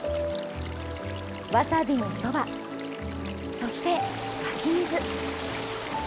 わさびにそば、そして湧き水。